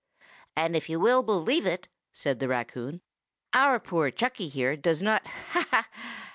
"And if you will believe it," said the raccoon, "our poor Chucky here does not—ha! ha!